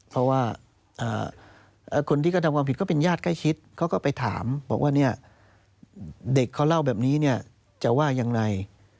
เพราะว่าคนที่กระทำความผิดก็เป็นญาติใกล้ชิดเขาก็ไปถามบอกว่าเนี่ยเด็กเขาเล่าแบบนี้เนี่ยจะว่ายังไง